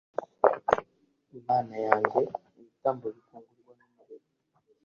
imana yanjye ibitambo bikongorwa n umuriro